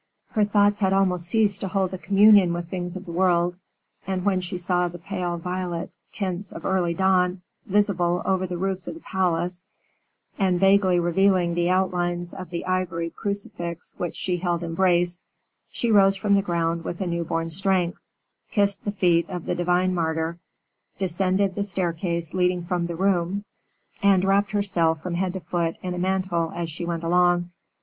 Her thoughts had almost ceased to hold communion with things of the world. And when she saw the pale violet tints of early dawn visible over the roofs of the palace, and vaguely revealing the outlines of the ivory crucifix which she held embraced, she rose from the ground with a new born strength, kissed the feet of the divine martyr, descended the staircase leading from the room, and wrapped herself from head to foot in a mantle as she went along.